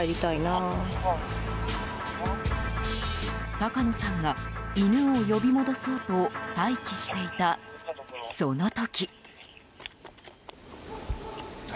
高野さんが犬を呼び戻そうと待機していた、その時。